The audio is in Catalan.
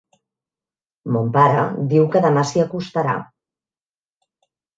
Mon pare diu que demá s'hi acostarà